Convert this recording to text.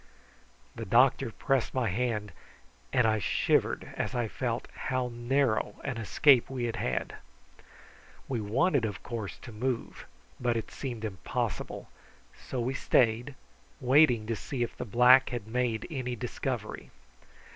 The doctor pressed my hand, and I shivered as I felt how narrow an escape we had had. We wanted, of course, to move, but it seemed impossible, and so we stayed, waiting to see if the black had made any discovery.